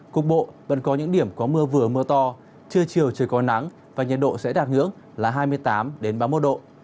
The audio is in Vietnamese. cục bộ vẫn có những điểm có mưa vừa mưa to chưa chiều trời có nắng và nhiệt độ sẽ đạt ngưỡng là hai mươi tám ba mươi một độ